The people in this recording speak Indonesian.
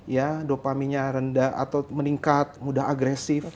ya dopaminya rendah atau meningkat mudah agresif